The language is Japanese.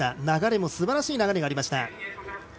流れもすばらしい流れがありました。